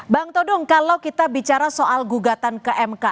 bang todong kalau kita bicara soal gugatan ke mk